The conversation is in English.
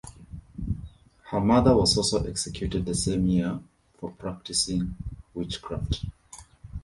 Her mother was also executed the same year for practicing witchcraft.